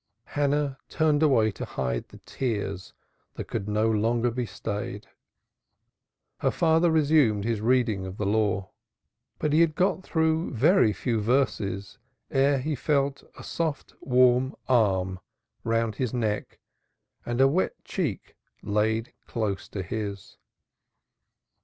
Hannah turned away to hide the tears that could no longer be stayed. Her father resumed his reading of the Law. But he had got through very few verses ere he felt a soft warm arm round his neck and a wet cheek laid close to his.